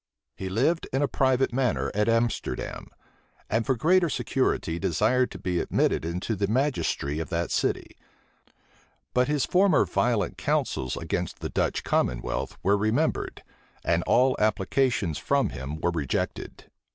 He lived in a private manner at Amsterdam; and for greater security desired to be admitted into the magistracy of that city: but his former violent counsels against the Dutch commonwealth were remembered; and all applications from him were rejected.